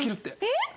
えっ！